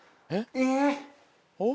えっ！